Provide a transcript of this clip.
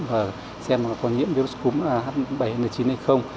và xem có nhiễm virus cúm ah bảy n chín hay không